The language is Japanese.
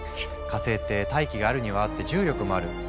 火星って大気があるにはあって重力もある。